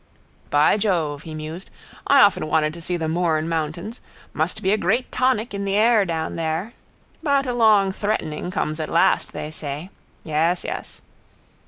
—By Jove, he mused, I often wanted to see the Mourne mountains. Must be a great tonic in the air down there. But a long threatening comes at last, they say. Yes. Yes.